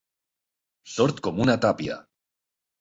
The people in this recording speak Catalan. Sord com una tàpia.